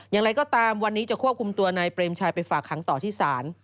อย่างไรก็ตามวันนี้จะควบคุมตัวนายเปรมชัยไปฝากหางต่อที่ศาล